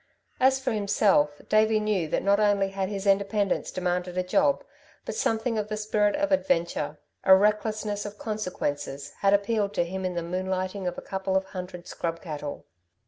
As for himself, Davey knew that not only had his independence demanded a job, but something of the spirit of adventure, a recklessness of consequences, had appealed to him in the moonlighting of a couple of hundred scrub cattle.